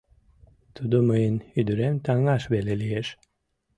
Тудо мыйын ӱдырем таҥаш веле лиеш!